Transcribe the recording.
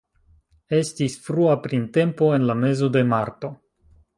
Estis frua printempo en la mezo de marto.